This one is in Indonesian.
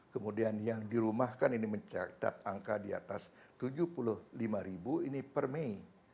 kemudian yang dirumahkan ini mencatat angka di atas tujuh puluh lima ribu ini per mei